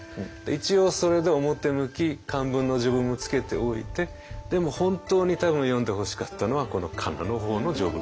一応それで表向き漢文の序文もつけておいてでも本当に多分読んでほしかったのはこのかなの方の序文だと。